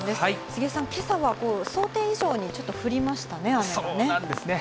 杉江さん、けさは想定以上にちょっと降りましたね、雨がね。